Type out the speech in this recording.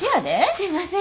すいません。